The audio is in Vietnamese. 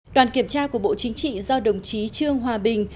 đoàn kiểm tra của bộ chính trị do đồng chí trương hòa bình